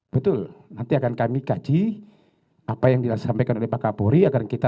betul nanti akan kami kaji apa yang disampaikan oleh pak kapolri akan kita